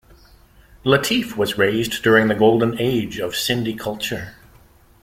Latif was raised during the golden age of Sindhi culture.